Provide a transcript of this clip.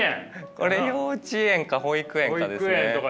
これ幼稚園か保育園かですね。